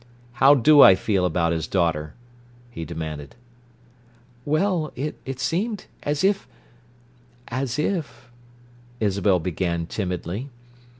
"How do I feel about his daughter?" he demanded. "Well, it's seemed—as if—as if—" Isabel began timidly.